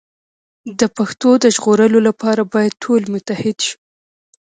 د پښتو د ژغورلو لپاره باید ټول متحد شو.